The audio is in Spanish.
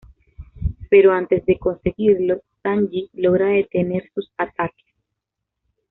Pero antes de conseguirlo, Sanji logra detener sus ataques.